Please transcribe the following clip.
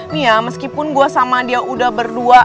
nih ya meskipun gue sama dia udah berdua